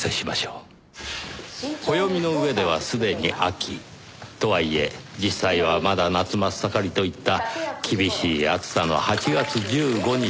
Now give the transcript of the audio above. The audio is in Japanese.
暦の上ではすでに秋とはいえ実際はまだ夏真っ盛りといった厳しい暑さの８月１５日の事でした。